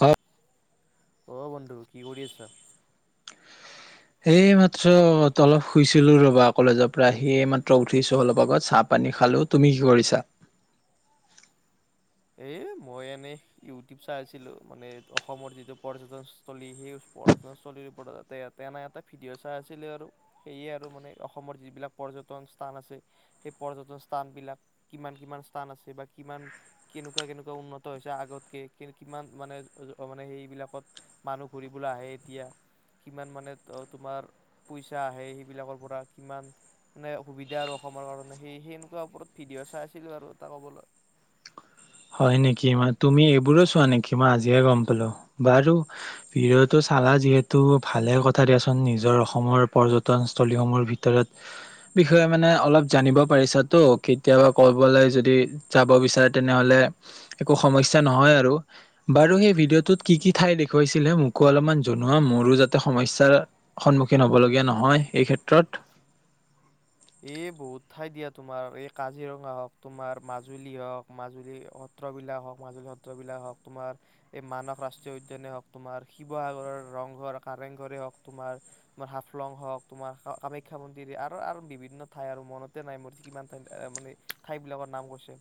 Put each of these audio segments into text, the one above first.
অ' অ', বন্ধু কি কৰি আছা? এইমাত্ৰ অলপ শুইছিলো ৰ'বা কলেজৰ পৰা আহি। এই মাত্ৰ উঠিছো অলপ আগত, চাহ-পানী খালো। তুমি কি কৰিছা? এই মই এনে ইউটিউব চাই আছিলো মানে। অসমৰ যিটো পৰ্যটনস্থলী, সেই পৰ্যটনস্থলীৰ ওপৰত এনে এটা ভিডিঅ' চাই আছিলো আৰু। সেইয়ে আৰু মানে অসমৰ যিবিলাক পৰ্যটন স্থান আছে সেই পৰ্যটন স্থানবিলাক কিমান কিমান স্থান আছে, বা কিমান কেনেকুৱা-কেনেকুৱা উন্নত হৈছে আগতকে? কিমান মানে-মানে, সেইবিলাকত মানুহ ঘূৰিবলৈ আহে এতিয়া? কিমান মানে তোমাৰ পইচা আহে? সেইবিলাকৰ পৰা কিমান মানে সুবিধা আৰু অসমৰ কাৰণে, সেই সেনেকুৱা ওপৰত ভিডিঅ' চাই আছিলোঁ আৰু। তাৰ ক'বলৈ হয় নেকি! তুমি এইবোৰো চোৱা নেকি? মই আজিহে গম পালো। বাৰু, ভিডিঅ'তো চালা যিহেতু ভালে কথা দিয়াচোন। নিজৰ অসমৰ পৰ্যটনস্থলীসমূহৰ ভিতৰত, বিষয়ে মানে অলপ জানিব পাৰিছাতো! কেতিয়াবা ক'বালৈ যদি যাব বিচাৰে তেনেহ'লে একো সমস্যা নহয় আৰু। বাৰু সেই ভিডিঅ'টোত কি কিঠাই দেখুৱাইছিলহে? মোকো অলপমান জনোৱা, মোৰো যাতে সমস্যাৰ সন্মুখীন হ'বলগীয়া নহয় এই ক্ষেত্ৰত। এই বহুত ঠাই দিয়া তোমাৰ, এই কাজিৰঙা হওক তোমাৰ, মাজুলী হওঁক, মাজুলী সত্ৰবিলাক হওক, মাজুলী সত্ৰবিলাক হওক, তোমাৰ এই মানস ৰাষ্ট্ৰীয় উদ্যানে হওক তোমাৰ, শিৱসাগৰৰ ৰংঘৰ-কাৰেং ঘৰে হওক তোমাৰ, তোমাৰ হাফলং হওক, তোমাৰ কামাখ্যা মন্দিৰ আৰু বিভি ঠাই আৰু মনতে নাই [unintelligible] কিমান মানে ঠাইবিলাকৰ নাম কৈছে।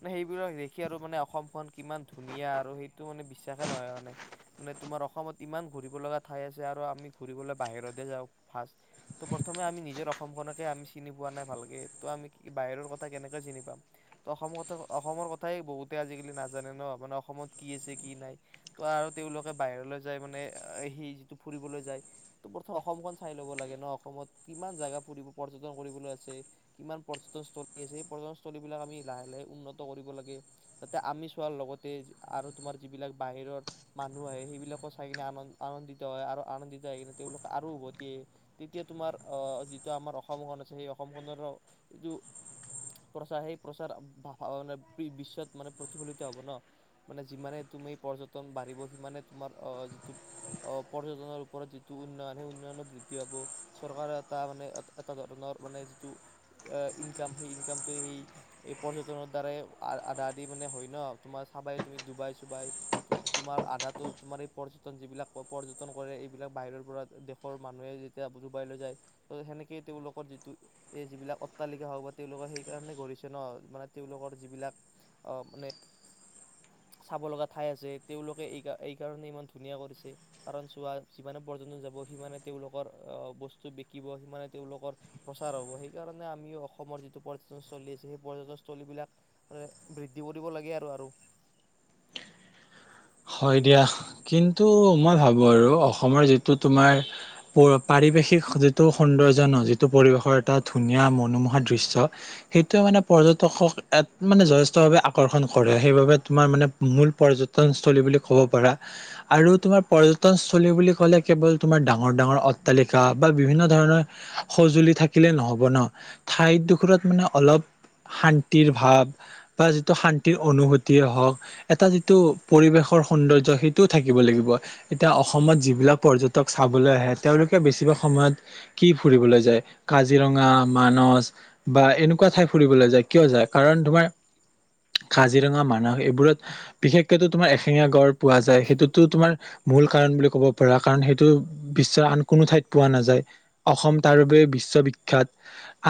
মানে সেইবিলাক দেখি আৰু মানে অসমখন কিমান ধুনীয়া আৰু সেইটো মানে বিশ্বাসে নহয় মানে। মানে, তোমাৰ অসমত ইমান ঘূৰিব লগা ঠাই আছে আৰু আমি ঘূৰিবলৈ বাহিৰতে যাওঁ ফাষ্ট। ত' প্ৰথমে আমি নিজৰ অসমখনকে আমি চিনি পোৱা নাই ভালকে। ত' আমি বাহিৰৰ কথা কেনেকে চিনি পাম? ত' অসমৰ কথা, অসমৰ কথাই বহুতে আজিকালি নাজানে ন, মানে অসমত কি আছে কি নাই? ত' আৰু তেওঁলোকে বাহিৰলৈ যায় মানে সেই যিটো ফুৰিবলৈ যায়। ত' প্ৰথম অসমখন চাই ল'ব লাগে ন। অসমত কিমান জেগা ফুৰিব পৰ্য কৰিবলৈ আছে। কিমান পৰ্যটনস্থলী আছে, সেই পৰ্যটনস্থলী বিলাক আমি লাহে-লাহে উন্নত কৰিব লাগে। যাতে আমি চোৱাৰ লগতে আৰু তোমাৰ যিবিলাক বাহিৰৰ মানুহ আহে, সেইবিলাকো চাই কিনে আন-আনন্দিত হয়। আৰু আনন্দিত হৈ কিনে তেওঁলোক আৰু উভতি আহে। তেতিয়া তোমাৰ আ যিটো আমাৰ অস অসমখন আছে সেই অসমখনৰ যিটো, প্ৰচাৰ সেই প্ৰচাৰ মানে বিশ্বত মানে প্ৰতিফলিত হ'ব ন? মানে যিমানে তুমি পৰ্যটন বাঢ়িব সিমানে তোমাৰ আ যিটো আ পৰ্যটনৰ ওপৰত যিটো উন্নয়ন সেই উন্নয়নো বৃদ্ধি পাব। চৰকাৰৰ এটা মানে এটা ধৰণৰ মানে যিটো ইনকাম, সেই ইনকামটো সেই এই পৰ্যটনৰ দ্বাৰাই আধাদি মানে হয় ন? তোমাৰ চাবাই তুমি ডুবাই-চুবাই, ত' তোমাৰ আধাটো তোমাৰ এই পৰ্যটন যিবিলাক পৰ্যটন কৰে, এইবিলাক বাহিৰৰ পৰা দেশৰ মানুহে যেতিয়া ডুবাইলৈ যায়। ত' সেনেকে তেওঁলোকৰ যিটো এই যিবিলাক অট্টালিকা হওক বা তেওঁলোকে সেইকাৰণে গঢ়িছে ন? মানে তেওঁলোকৰ যিবিলাক আ মানে চাব লগা ঠাই আছে। তেওঁলোকে এই-এইকাৰণে ইমান ধুনীয়া কৰিছে। কাৰণ চোৱা, যিমানে পৰ্যটন যাব সিমানে তেওঁলোকৰ আ বস্তু বিকিব, সিমানে তেওঁলোকৰ প্ৰচাৰ হ'ব। সেইকাৰণে আমিও অসমৰ যিটো পৰ্যটনস্থলী আছে, সেই পৰ্যটনস্থলীবলাক বৃদ্ধি কৰিব লাগে। আৰু-আৰু হয় দিয়া। কিন্তু মই ভাবো আৰু, অসমৰ যিটো তোমাৰ পাৰিৱেশিক যিটো সৌন্দৰ্য ন? যিটো পৰিৱেশৰ এটা ধুনীয়া মনোমোহা দৃশ্য। সেইটোৱে মানে পৰ্যটকক মানে যথেষ্টভাৱে আকৰ্ষণ কৰে। সেইবাবে তোমাৰ মানে মূল পৰ্যটন থলী বুলি ক'ব পাৰা। আৰু তোমাৰ পৰ্যটনস্থলী বুলি ক'লে কেৱল তোমাৰ ডাঙৰ-ডাঙৰ অট্টালিকা বা বিভিন্ন ধৰণৰ সঁজুলি থাকিলে নহ'ব ন? ঠাইডোখৰত মানে অলপ শান্তিৰ ভাৱ বা যিটো শান্তিৰ অনুভূতিয়ে হওক, এটা যিটো পৰিৱেশৰ সৌন্দৰ্য সেইটোও থাকিব লাগিব। এতিয়া অসমত যিবিলাক পৰ্যটক চাবলৈ আহে, তেওঁলোকে বেছিভাগ সময়ত কি ফুৰিবলৈ যায়? কাজিৰঙা, মানস বা এনেকুৱা ঠাই ফুৰিবলৈ যায়। কিয় যায়? কাৰণ তোমাৰ কাজিৰঙা, মানস এইবোৰত বিশেষ কেতো তোমাৰ এশিঙীয়া গঁড় পোৱা যায়। সেইটোতো তোমাৰ মূল কাৰণ বুলি ক'ব পাৰা। কাৰণ সেইটো বিশ্বৰ আন কোনো ঠাইত পোৱা নাযায়। অসম তাৰ বাবে বিশ্ব বিখ্যাত।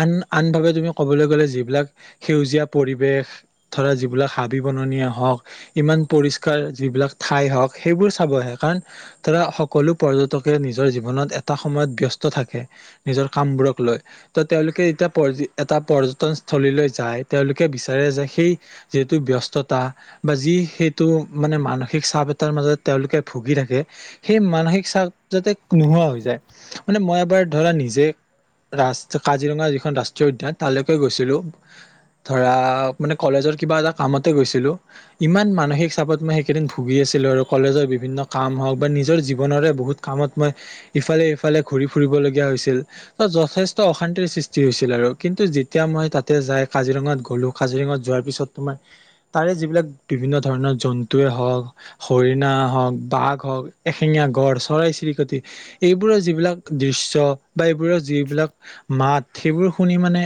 আন-আনভাৱে তুমি ক'বলৈ গ'লে যিবিলাক সেউজীয়া পৰিৱেশ, ধৰা যিবিলাক হাবি- বননিয়ে হওক ইমান পৰিষ্কাৰ, যিবিলাক ঠাই হওক, সেইবোৰ চাব আগে। কাৰণ তাৰ সকলো পৰ্যটকে নিজৰ জীৱনত এটা সময়ত ব্যস্ত থাকে। নিজৰ কামবোৰক লৈ। ত' তেওঁলোকে এতিয়া পৰ এটা পৰ্যটনস্থলীলৈ যায়, তেওঁলোকে বিচাৰে যে সেই যিহেতু ব্যস্ততা বা যি সেইটো মানে মানসিক চাপ এটাৰ মাজত তেওঁলোকে ভুগি থাকে। সেই মানসিক চাপ যাতে নোহোৱা হৈ যায়। মানে মই এবাৰ ধৰা নিজে, ৰা-কাজিৰঙা যিখন ৰাষ্ট্ৰীয় উদ্যান, তালৈকে গৈছিলো! ধৰা মানে কলেজৰ কিবা এটা কামতে গৈছিলো। ইমান মান মানসিক চাপত মই সেইকেইদিন ভুগি আছিলোঁ, আৰু কলেজৰ বিভিন্ন কাম হওঁক বা নিজৰ জীৱনৰে বহুত কামত মই ইফালে-ইফালে ঘূৰি ফুৰিবলগীয়া হৈছিল। ত' যথেষ্ট অশান্তিৰ সৃষ্টি হৈছিল আৰু। কিন্তু যেতিয়া মই তাতে যাই কাজিৰঙাত গ'লো, কাজিৰঙাত যোৱাৰ পিছত তোমাৰ তাৰে যিবিলাক বিভিন্ন ধৰণৰ জন্তুৱে হওক, হৰিণা হওক, বাঘ হওক, এশিঙীয়া গড়, চৰাই-চিৰিকটি, এইবোৰৰ যিবিলাক দৃশ্য বা এইবোৰৰ যিবিলাক মাত সেইবোৰ শুনি মানে,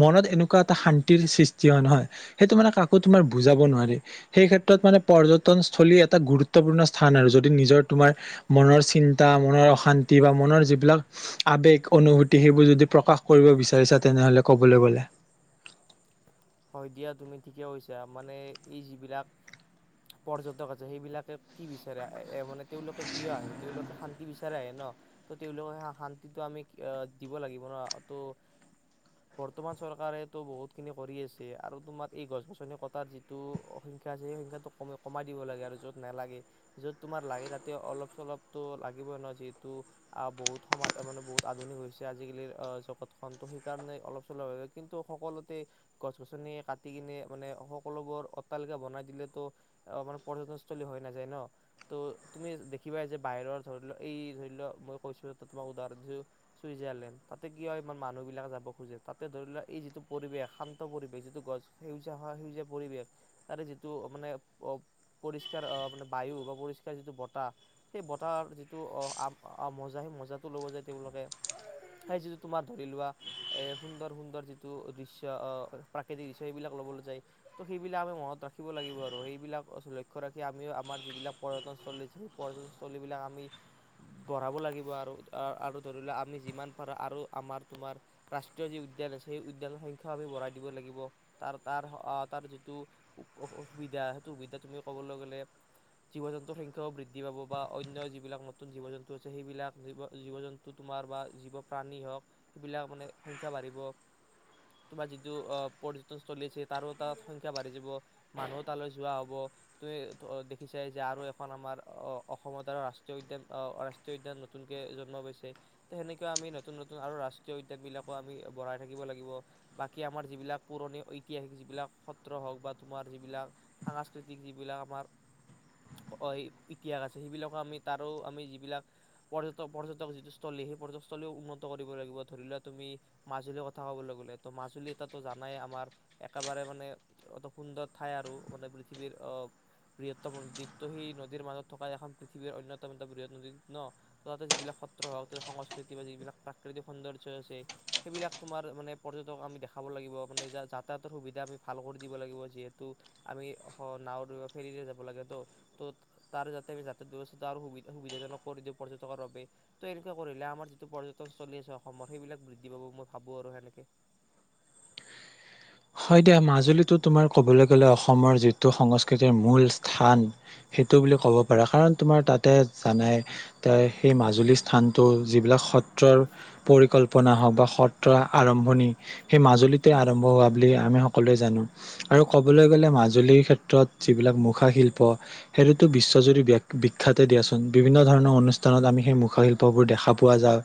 মনত এনেকুৱা এটা শান্তিৰ সৃষ্টি হয় নহয়! সেইটো মানে কাকো তোমাৰ বুজাব নোৱাৰি। সেইক্ষেত্ৰত মানে পৰ্যটনস্থলী এটা গুৰুত্বপূৰ্ণ স্থান আৰু যদি নিজৰ তোমাৰ মনৰ চিন্তা, মনৰ অশান্তি বা মনৰ যিবিলাক আবেগ-অনুভূতি, সেইবোৰ যদি প্ৰকাশ কৰিব বিচাৰিছা তেনেহলে ক'বলৈ গ'লে। হয়, দিয়া তুমি ঠিকে কৈছা। মানে এই যিবিলাক পৰ্যটক আছে, সেইবিলাকে কি বিচাৰে? এ মানে তেওঁওলোকে কিয় আহে? তেওঁলোকে শান্তি বিচাৰিয়ে আহে ন? ত' তেওঁলোকক সেই শান্তিটো আমি দিব লাগিব ন? ত' বৰ্তমান চৰকাৰেতো বহুত খিনি কৰি আছে। আৰু তোমাৰ এই গছ-গছনি কটাৰ যিটো সংখ্যা আছে, সেই সংখ্যাটো কম-কমাই দিব লাগে আৰু য'ত নালাগে। য'ত তোমাৰ লাগে তাতে অলপ-চলপতো লাগিবই ন? যিহেতু আ বহুত সমাজ মানে বহুত আধুনিক হৈছে আজিকালিৰ জগতখন। ত' সেইকাৰণে অলপ-চলপ কিন্তু সকলোতে গছ-গছনি কাটি কিনে মানে সকলোবোৰ অট্টালিকা বনাই দিলেতো, অ' মানে পৰ্যটনস্থলী হৈ নাযায় ন? ত' তুমি দেখিবা যে বাহিৰৰ ধৰি লোৱা, এই ধৰি লোৱা মই কৈছো, তোমাক এটা উদাহৰণ দিছো চুইজাৰলেণ্ড। তাতে কিয় ইমান মানুহবিলাক যাব খোজে? তাতে ধৰি লোৱা এই যিটো পৰিৱেশ, শান্ত পৰিৱেশ যিটো গছ সেউজীয়া হয়, সেউজীয়া পৰিৱেশ। তাৰে যিটো মানে পৰিষ্কাৰ, আ মানে বায়ু বা পৰিষ্কাৰ যিটো বতাহ সেই বতাহ যিটো মজা সেই মজাটো ল'ব যায় তেওঁলোকে। সেই যিটো তোমাৰ ধৰি লোৱা, এ সুন্দৰ-সুন্দৰ, যিটো দৃশ্য অ' প্ৰাকৃতিক দৃশ্য সেইবিলাক ল'বলৈ যায়। ত' সেইবিলাক আমি মনত ৰাখিব লাগিব আৰু সেইবিলাক লক্ষ্য ৰাখি আমিও আমাৰ যিবিলাক পৰ্যটনস্থলী আছে, সেই পৰ্যটনস্থলীবিলাক আমি বঢ়াব লাগিব। আৰু-আৰু ধৰি লোৱা আমি যিমান পাৰো আৰু আমাৰ-তোমাৰ ৰাষ্ট্ৰীয় যি উদ্যান আছে। সেই উদ্যানৰ সংখ্যা আমি বঢ়াই দিব লাগিব। তাৰ-তাৰ, আহ' তাৰ যিটো সুবিধা সেইটো সুবিধা তুমি কবলৈ গলে জীৱ-জন্তুৰ সংখ্যাও বৃদ্ধি পাব বা অন্য যিবিলাক নতুন জীৱ-জন্তু আছে। সেইবিলাক জীৱ-জন্তু তোমাৰ বা জীৱ প্ৰাণী হওক। সেইবিলাক মানে সংখ্যাও বাঢ়িব। তোমাৰ টো পৰ্যটনস্থলিছে তাৰো তাত সংখ্যাও বাঢ়ি যাব। মানুহো তালৈ যোৱা হব তু দেখিছাই যে আৰু এখন আমাৰ আহ অসমত আৰু ৰাষ্ট্ৰীয় উদ্যান আহ ৰাষ্ট্ৰীয় উদ্যান নতুনকে জন্ম পাইছে ল। ত সেনেকুৱা আমি নতুন নতুন আৰু ৰাষ্ট্ৰীয় উদ্যান বিলাকো আমি বঢ়াই থাকিব লাগিব। বা কি আমাৰ যিবিলাক পুৰণি ঐতিহাসিক যিবিলাক সত্ৰ হওঁক বা তোমাৰ যিবিলাক সাংস্কৃতিক যিবিলাক আমাৰ ইতিহাস আছে। সেইবিলাকো আমি তাৰো আমি যিবিলাক পৰ্যটক-পৰ্যটক যিটো স্থলী। সেই পৰ্যটকস্থলীও উন্নত কৰিব লাগিব, ধৰি লোৱা তুমি মাজুলীৰ কথা ক'বলৈ গ'লে, তুমি তাতো জানাই আমাৰ একেবাৰে মানে অত সুন্দৰ ঠাই আৰু মানে পৃথিৱীৰ অ বৃহত্তম নদী দ্বীপ টো সেই নদীৰ মাজত থকা এখন পৃথিৱীৰ অন্যতম এটা বৃহৎ নদীৰ ন ত তাতে যিবিলাক সত্ৰ হওক সংস্কৃতি বা যিবিলাক প্ৰাকৃতিক সৌন্দৰ্য আছে সেইবিলাক তোমাৰ মানে পৰ্যটক আমি দেখা খাব লাগিব মানে যাতায়তৰ সুবিধা আমি ভাল কৰি দিব লাগিব যিহেতু আমি নাওঁ ফেৰীৰে যাব লাগে ত ত তাৰ যাতে আমি যাতায়াত ব্যৱস্থা সুবিধাজনক কৰি দিওঁ পৰ্যটকৰ বাবে ত এনেকুৱা কৰিলে আমাৰ যিটো পৰ্যটন চলি আছে অসমৰ সেইবিলাক বৃদ্ধি পাব মই ভাবো আৰু সেনেকে হয় দিয়া মাজুলীটো তোমাৰ ক'বলৈ গ'লে অসমৰ যিটো সংস্কৃতিৰ মূল স্থান সেইটো বুলি ক'ব পাৰা কাৰণ তোমাৰ তাতে জানাই তাৰ সেই মাজুলী স্থানটো যিবিলাক সত্ৰৰ পৰিকল্পনা হওক বা সত্ৰ আৰম্ভণি সেই মাজুলীতে আৰম্ভ হোৱা বুলি আমি সকলোৱে জানো আৰু ক'বলৈ গ'লে মাজুলীৰ ক্ষেত্ৰত যিবিলাক মুখাশিল্প সেইটোতো বিশ্বজুৰি ব্য বিখ্যাতে দিয়াচোন বিভিন্ন ধৰণৰ অনুষ্ঠানত আমি সেই মুখাশিল্পবোৰ দেখা পোৱা যায়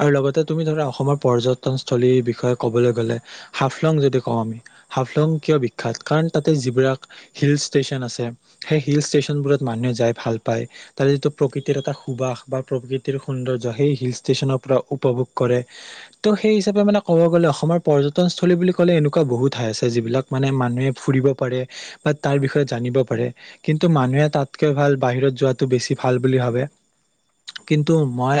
আৰু লগতে তুমি ধৰা অসমৰ পৰ্যটনস্থলীৰ বিষয়ে ক'বলৈ গ'লে হাফলং যদি অ আমি হাফলং কিয় বিখ্যাত কাৰণ তাতে যিবিলাক হিল ষ্টেচন আছে সেই হিল ষ্টেচন বোৰত মানুহে যাই ভাল পায় তাৰে যিটো প্ৰকৃতিৰ এটা সুবাস বা প্ৰকৃতিৰ সৌন্দৰ্য সেই হিল ষ্টেচনৰ পৰা উপভোগ কৰে ত' সেই হিচাপে মানে ক'ব গ'লে অসমৰ পৰ্যতনস্থলী বুলি ক'লে এনেও এনেকুৱা বহুত ঠাই আছে যিবিলাক মানে মানুহে ফুৰিব পাৰে বা তাৰ বিষয়ে জানিব পাৰে কিন্তু মানুহে তাতকে ভাল বাহিৰত যোৱাটো বেছি ভাল বুলি ভাবে কিন্তু মই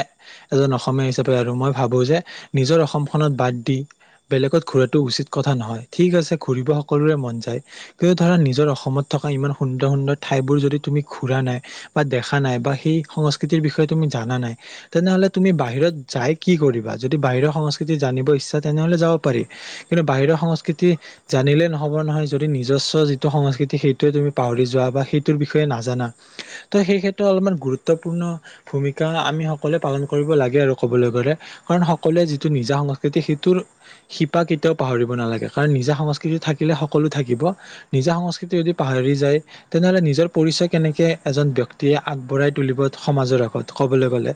এজন অসমীয়া হিচাপে আৰু মই ভাবো যে নিজৰ অসমখনত বাদ দি বেলেগত ঘূৰাটো উচিত কথা নহয় ঠিক আছে ঘুৰিব সকলোৰে মন যায় কিয় ধৰা নিজৰ অসমত থকা ইমান সুন্দৰ সুন্দৰ ঠাই বোৰ যদি তুমি ঘুৰা নাই বা দেখা নাই বা সেই সংস্কৃতিৰ বিষয়ে তুমি জানা নাই তেনেহলে তুমি বাহিৰত যাই কি কৰিবা যদি বাহিৰৰ সংস্কৃতি জানিব ইচ্ছা তেনেহলে যাব পাৰি কিন্তু বাহিৰৰ সংস্কৃতি জানিলে নহব নহয় যদি নিজস্ব যিটো সংস্কৃতি সেইটোৱে তুমি পাহৰি যোৱা বা সেইটোৰ বিষয়ে নাজানা ত' সেই ক্ষেত্ৰত অলপমান গুৰুত্বপূৰ্ণ ভূমিকা আমি সকলোৱে পালন কৰিব লাগে আৰু কবলৈ গ'লে কাৰণ সকলোৱে যিটো নিজা সংস্কৃতি সেইটোৰ শিপা তকেতিয়াও পাহৰিব নালাগে কাৰণ নিজা সংস্কৃতি থাকিলে সকলো থাকিব নিজা সংস্কৃতি যদি পাহৰি যায় তেনেহ'লে নিজৰ পৰিচয় কেনেকৈ এজন ব্যক্তিয়ে আগবঢ়াই তুলিব সমাজৰ আগত ক'বলৈ গ'লে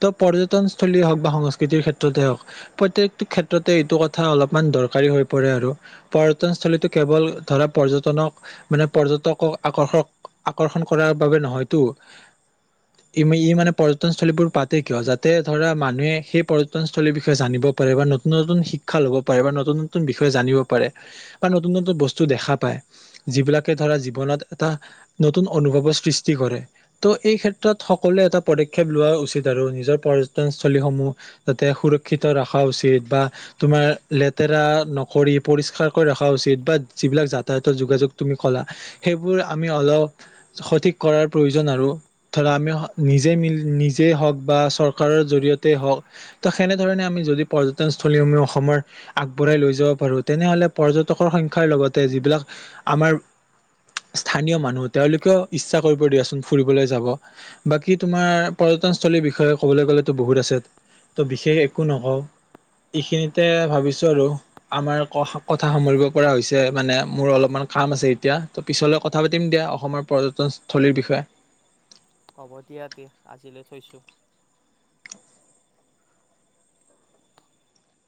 তো পৰ্যটনস্থলীয়ে হওক বা সংস্কৃতিৰ ক্ষেত্ৰতে হওক প্ৰত্যেকটো ক্ষেত্ৰতে এইটো কথা অলপ মান দৰকাৰী হৈ পৰে আৰু পৰ্যটনস্থ্থলীতো কেৱল ধৰা পৰ্যটনক মানে পৰ্যটকক আকৰ্ষক আকৰ্ষণ কৰাৰ বাবে নহয়তো ই ই মানে পৰ্যনস্থ্থলীবোৰ পাতে কিয় যাতে ধৰা মানুহে সেই পৰ্যটনস্থলীৰ বিষয়ে জানিব পাৰে বা নতুন নতুন শিক্ষা ল'ব পাৰে বা নতুন নতুন বিষয়ে জানিব পাৰে বা নতুন নতুন বস্তু দেখা পায় যিবিলাকে ধৰা জীৱনত এটা নতুন অনুভৱৰ সৃষ্টি কৰে ত' এই ক্ষেত্ৰত সকলোৱে এটা পদক্ষেপ লোৱা উচিত আৰু নিজৰ পৰ্যটনস্থলীসমূহ যাতে সুৰক্ষিত ৰখা উচিত বা তোমাৰ লেতেৰা নকৰি পৰিষ্কাৰ কৰি ৰখা উচিত বা যিবিলাক যাতায়াতৰ যোগাযোগ তুমি কলা সেইবোৰ আমি অলপ সঠিক কৰাৰ প্ৰয়োজন আৰু ধৰা আমি নিজে মিল নিজেই হওঁক বা চৰকাৰৰ জৰিয়তে হওঁক ত সেনেধৰণে আমি যদি পৰ্যটনস্থলী আমি অসমৰ আগবঢ়াই লৈ যাব পাৰো তেনেহলে পৰ্যটকৰ সংখ্যাৰ লগতে যিবিলাক আমাৰ স্থানীয় মানুহ তেওঁলোকেও ইচ্ছা কৰিব দিয়াচোন ফুৰিবলৈ যাব বাকী তোমাৰ পৰ্যটনস্থলীৰ বিষয়ে কবলৈ গলেতো বহুত আছে ত' বিশেষ একো নকওঁ এইখিনিতে ভাবিছো আৰু আমাৰ কথা সামৰিব পৰা হৈছে মানে মোৰ অলপমান কাম আছে এতিয়া ত পিছলে কথা পাতিম দিয়া অসমৰ পৰ্যটনস্থলীৰ বিষয়ে হ'ব দিয়া দে আজিলৈ থৈছো